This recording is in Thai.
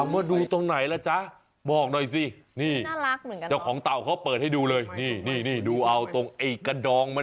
มันเหมือนมันอยากพูดอะไรออกมา